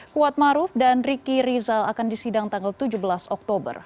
kuat maruf dan riki rizal akan disidang tanggal tujuh belas oktober